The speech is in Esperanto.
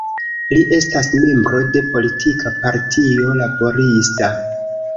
Li estas membro de politika partio laborista.